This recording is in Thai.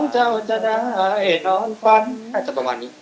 ข่าวข้างนี่